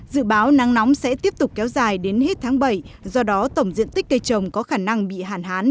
dự báo nắng nóng sẽ tiếp tục kéo dài đến hết tháng bảy do đó tổng diện tích cây trồng có khả năng bị hạn hán